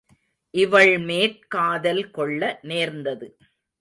இவள்மேற் காதல் கொள்ள நேர்ந்தது.